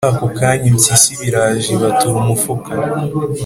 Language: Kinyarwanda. Muri ako kanya impyisi iba iraje, ibatura umufuka